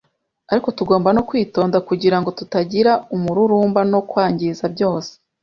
ariko tugomba no kwitonda kugirango tutagira umururumba no kwangiza byose.